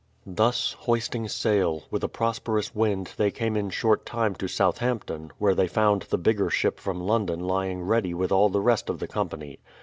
Thus, hoisting sail, with a prosperous wind they came in short time to Southampton, where they found the bigger ship from London lying ready with all the rest of the com pany.